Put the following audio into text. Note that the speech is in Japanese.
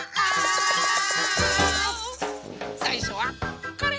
さいしょはこれ。